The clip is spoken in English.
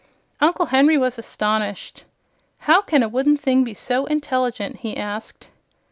Uncle Henry was astonished. "How can a wooden thing be so intelligent?" he asked.